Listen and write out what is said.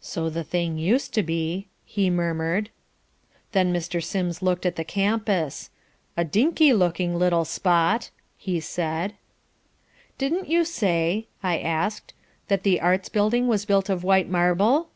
"So the thing used to be," he murmured. Then Mr. Sims looked at the campus. "A dinky looking little spot," he said. "Didn't you say," I asked, "that the Arts Building was built of white marble?"